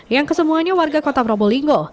yang kesemuanya warga kota probolinggo